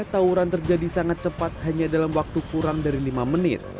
tawuran terjadi sangat cepat hanya dalam waktu kurang dari lima menit